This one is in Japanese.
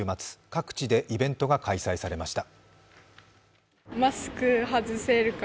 各地で、イベントが開催されました